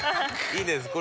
いいですね。